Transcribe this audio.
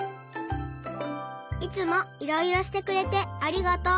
いつもいろいろしてくれてありがとう。